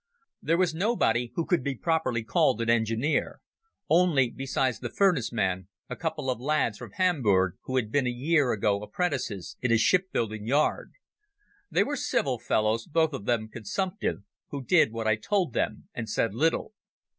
There was nobody who could be properly called an engineer; only, besides the furnace men, a couple of lads from Hamburg who had been a year ago apprentices in a ship building yard. They were civil fellows, both of them consumptive, who did what I told them and said little.